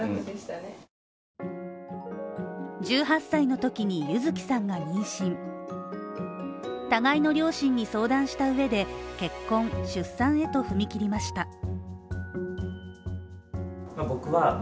１８歳のときに優月さんが妊娠、互いのの両親に相談した上で結婚・出産へと踏み切りました。